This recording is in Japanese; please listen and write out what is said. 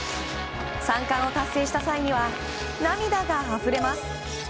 ３冠を達成した際には涙があふれます。